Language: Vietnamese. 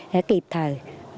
đã kịp thời